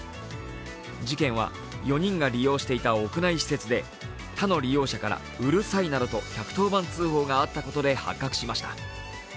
事件は４人が利用していた屋内施設で他の利用者からうるさいなどと１１０番通報があったことで発覚しました。